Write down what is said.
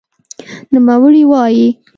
نوموړی وايي